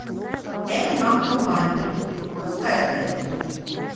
Этот нам компания — пускай стоит.